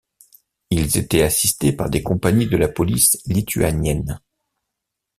Ils étaient assistés par des compagnies de la police lituanienne.